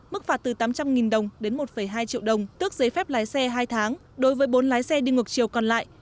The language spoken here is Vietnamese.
mức phạt từ tám trăm linh đồng đến một hai triệu đồng tước giấy phép lái xe hai tháng đối với bốn lái xe đi ngược chiều còn lại